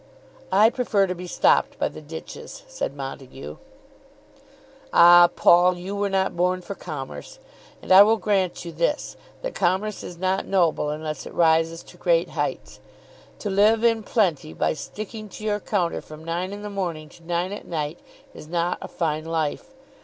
"I prefer to be stopped by the ditches," said Montague. "Ah, Paul, you were not born for commerce. And I will grant you this, that commerce is not noble unless it rises to great heights. To live in plenty by sticking to your counter from nine in the morning to nine at night, is not a fine life.